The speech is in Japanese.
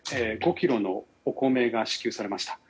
５ｋｇのお米が支給されました。